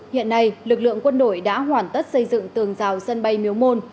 hiện nay lực lượng quân đội đã hoàn tất xây dựng tường rào sân bay miếu môn